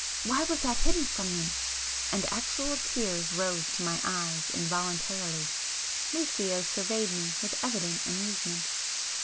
Why was that hidden from me!" And actual tears rose to my eyes involuntarily,—Lucio surveyed me with evident amusement.